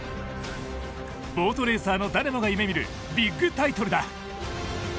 ボートレーサーの誰もが夢見るビッグタイトルだ。